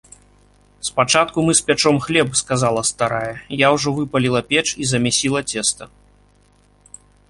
- Спачатку мы спячом хлеб, - сказала старая, - я ўжо выпаліла печ і замясіла цеста